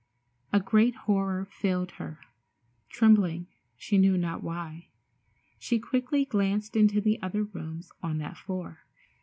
A great horror filled her. Trembling, she knew not why, she quickly glanced into the other rooms on that floor.